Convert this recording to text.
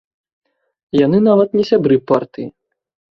Яны нават не сябры партыі.